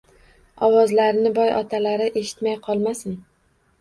Ovozlarini boy otalari eshitmay qolmasin